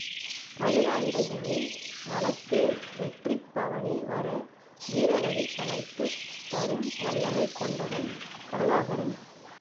மதுராந்தகியின் மனத்தேர் வெற்றிப் பவனி வர வீரவழி சமைத்துத் தரும் வல்லமை கொண்டவன் கருணாகரன்.